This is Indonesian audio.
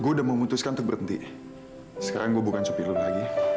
aku udah memutuskan untuk berhenti sekarang gue bukan supilu lagi